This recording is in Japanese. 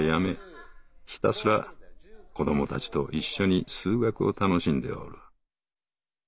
ひたすら子どもたちと一緒に数学を楽しんでおる。